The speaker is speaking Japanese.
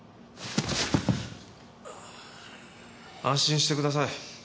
安心してください。